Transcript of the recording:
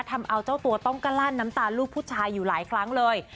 ทำเอาเจ้าตัวต้องกะลั่นน้ำตาลูกผู้ชายอยู่หลายครั้งเลย